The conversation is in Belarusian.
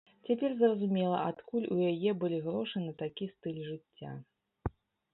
Цяпер зразумела, адкуль у яе былі грошы на такі стыль жыцця.